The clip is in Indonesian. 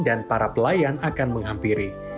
dan para pelayan akan menghampiri